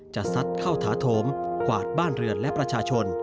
ซัดเข้าถาโถมกวาดบ้านเรือนและประชาชน